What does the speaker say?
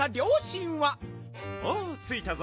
おついたぞ。